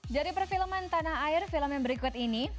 dari perfilman tanah air film yang berikut ini